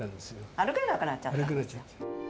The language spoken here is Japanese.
歩けなくなっちゃって。